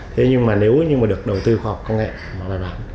thế nhưng mà nếu như mà được đầu tư khoa học công nghệ mà bài bản